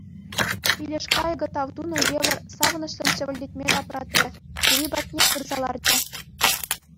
Пилеш кайӑкӗ тав тунӑ евӗр савӑнӑҫлӑн чӗвӗлтетме тапратрӗ, йӑви патнех пырса ларчӗ.